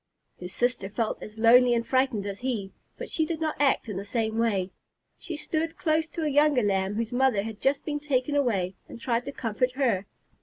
His sister felt as lonely and frightened as he, but she did not act in the same way. She stood close to a younger Lamb whose mother had just been taken away, and tried to comfort her.